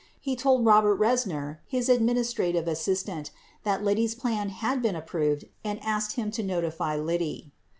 He told Robert Reisner, his administrative assistant, that Liddy's project had been approved and asked him to notify Liddy.